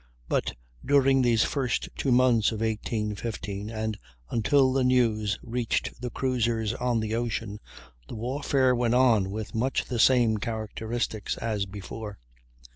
But during these first two months of 1815, and until the news reached the cruisers on the ocean, the warfare went on with much the same characteristics as before.